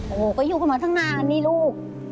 โอ้โฮก็อยู่พนักงานทางหน้ากันนี่ลูก